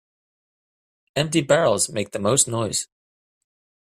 Empty barrels make the most noise.